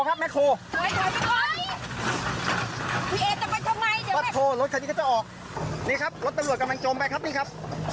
สามารถนี่ก็จะออกนี่ครับฮะตำรวจกำลังจมไปครับนี้ครับ